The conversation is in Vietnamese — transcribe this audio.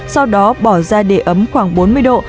sau đó bỏ ra để ấm khoảng bốn mươi độ